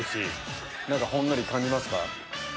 何かほんのり感じますか？